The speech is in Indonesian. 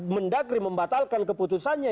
mendagri membatalkan keputusannya